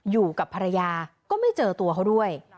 อยู่กับภรรยาก็ไม่เจอตัวเขาด้วย